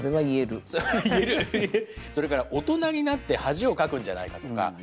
言えるそれから大人になって恥をかくんじゃないかとか。